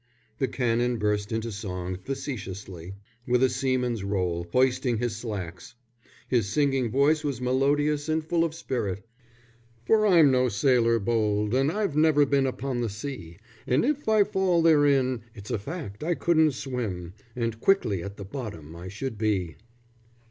The Canon burst into song, facetiously, with a seaman's roll, hoisting his slacks. His singing voice was melodious and full of spirit. "For I'm no sailor bold, And I've never been upon the sea; And if I fall therein, it's a fact I couldn't swim, _And quickly at the bottom I should be.